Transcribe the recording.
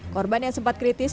korban yang sempat kritis